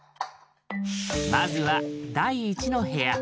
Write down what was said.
まずは第１の部屋。